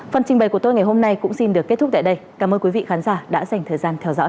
phần trình bày của tôi ngày hôm nay cũng xin được kết thúc tại đây cảm ơn quý vị khán giả đã dành thời gian theo dõi